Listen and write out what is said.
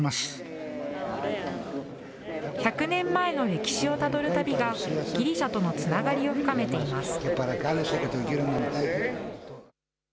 歴史をたどる旅が、ギリシャとのつながりを深めています。